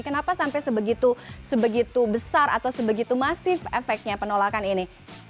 kenapa sampai sebegitu besar atau sebegitu masif efeknya penolakan ini